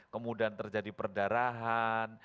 kemudian terjadi perdarahan